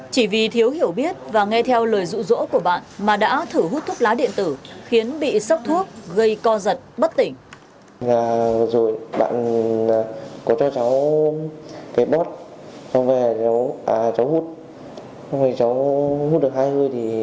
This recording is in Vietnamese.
chỉ vì thiếu hiểu biết và nghe theo lời rụ rỗ của bạn mà đã thử hút thuốc lá điện tử khiến bị sốc thuốc gây co giật bất tỉnh